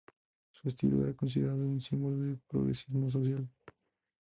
Su estilo era considerado un símbolo de progresismo social.